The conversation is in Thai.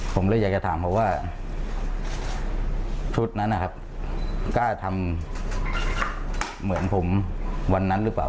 ผมก็อยากจะถามเพราะว่าชุดนั้นกล้าทำเหมือนผมวันนั้นหรือเปล่า